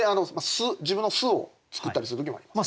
自分の巣を作ったりする時もあります。